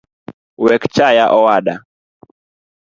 Wekchaya owada